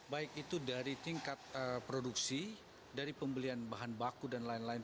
baik itu dari tingkat produksi dari pembelian bahan baku dan lain lain